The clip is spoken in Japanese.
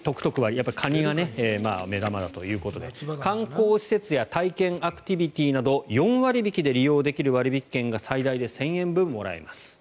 やっぱりカニが目玉だということで観光施設や体験アクティビティーなど４割引きで利用できる割引券が最大で１０００円分もらえます。